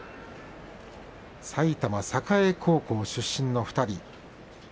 埼玉栄高校出身の２人。